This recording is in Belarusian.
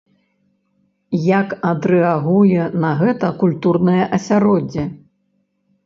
Як адрэагуе на гэта культурнае асяроддзе?